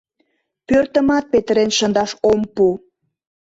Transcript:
Пӧртымат петырен шындаш ом пу.